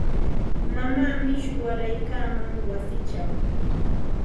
Mamaami shuwaraykaaman wasichaw.